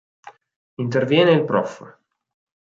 Interviene il prof.